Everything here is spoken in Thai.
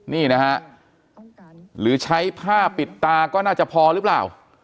นี่นะฮะหรือใช้ผ้าปิดตาก็น่าจะพอหรือเปล่า